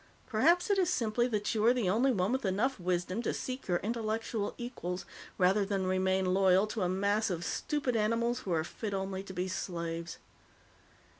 Perhaps it is simply that you are the only one with enough wisdom to seek your intellectual equals rather than remain loyal to a mass of stupid animals who are fit only to be slaves."